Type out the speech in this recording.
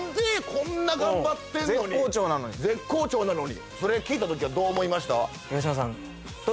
こんな頑張ってんのに絶好調なのに絶好調なのにそれ聞いたときはどう思いました？